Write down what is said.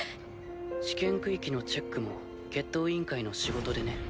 試験区域のチェックも決闘委員会の仕事でね。